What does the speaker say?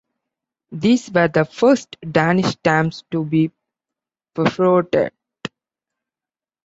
These were the first Danish stamps to be perforated.